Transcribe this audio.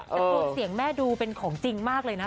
แต่ตัวเสียงแม่ดูเป็นของจริงมากเลยนะ